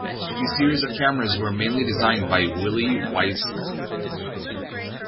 These series of cameras were mainly designed by Willi Wiessner.